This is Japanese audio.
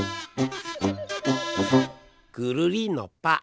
くるりんのぱ！